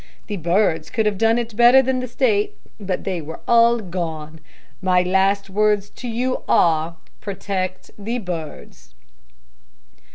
The birds could have done it better than the State, but they were all gone. My last words to you are, 'Protect the birds.'"